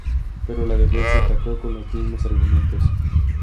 Pero la defensa atacó con los mismos argumentos.